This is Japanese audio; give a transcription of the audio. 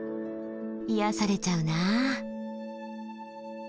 癒やされちゃうなあ。